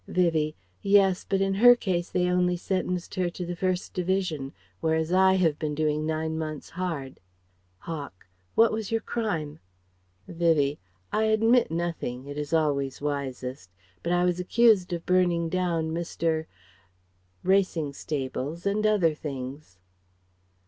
Vivie: "Yes, but in her case they only sentenced her to the First Division; whereas I have been doing nine months' hard." Hawk: "What was your crime?" Vivie: "I admit nothing, it is always wisest. But I was accused of burning down Mr. 's racing stables and other things..."